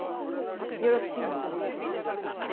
よろしいのでは。